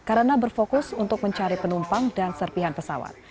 mereka juga berfokus untuk mencari penumpang dan serpihan pesawat